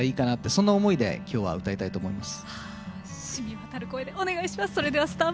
そんな思いで今日は歌いたいと思います。